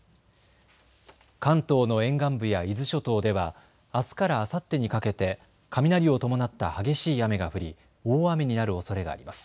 関東の沿岸部や伊豆諸島ではあすからあさってにかけて雷を伴った激しい雨が降り大雨になるおそれがあります。